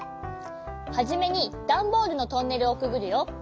はじめにダンボールのトンネルをくぐるよ。